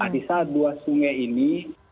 di saat dua sungai ini